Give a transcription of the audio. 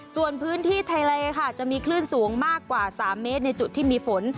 ส่วนพื้นที่ทะเลค่ะจะมีคลื่นสูงมากกว่า๓เมตรในจุดที่มีฝน